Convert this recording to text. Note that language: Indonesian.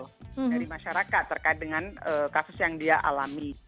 dari masyarakat terkait dengan kasus yang dia alami